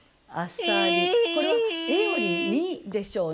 これは「へ」より「に」でしょうね。